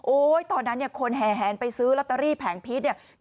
ตอนนั้นเนี่ยคนแห่แหนไปซื้อลอตเตอรี่แผงพีชเนี่ย